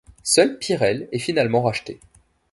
Seul Pyrel est finalement racheté.